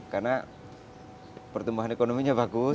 karena pertumbuhan ekonominya bagus